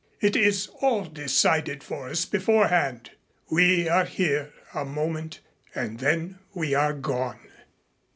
It is all decided for us beforehand. We are here a moment and then we are gone."